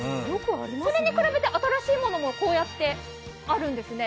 それに比べて新しいものもこうやってあるんですね。